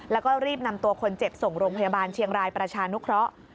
แล้วก็รีบนำตัวคนเจ็บส่งโรงพยาบาลเชียงรายประชานุเคราะห์